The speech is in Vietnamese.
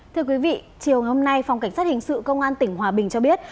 thưa quý vị chiều hôm nay phòng cảnh sát hình sự công an tỉnh hòa bình cho biết